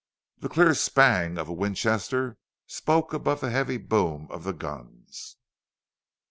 The clear spang of a Winchester spoke above the heavy boom of the guns.